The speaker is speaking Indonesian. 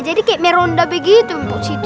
jadi kayak meronda begitu mpo siti